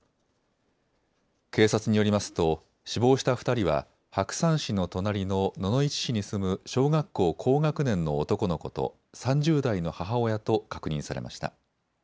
警察によりますと死亡した２人は白山市の隣の野々市市に住む小学校高学年の男の子と３０代の母親と確認されました。